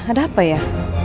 ada apa ya